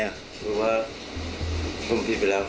คือว่าผมผิดไปแล้ว